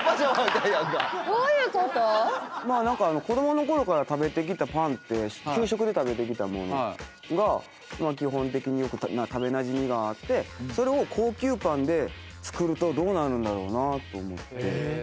子供のころから食べてきたパンって給食で食べてきたものが基本的に食べなじみがあってそれを高級パンで作るとどうなるんだろうなと思って。